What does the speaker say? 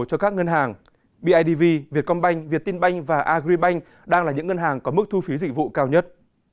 cho các ngân hàng bidv vietcombank viettinbank và agribank đang là những ngân hàng có mức thu phí dịch vụ cao nhất